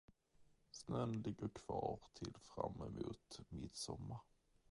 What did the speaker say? Snön ligger kvar till framemot midsommar.